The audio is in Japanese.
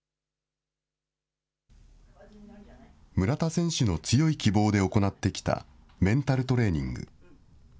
村田選手の強い希望で行ってきたメンタルトレーニング。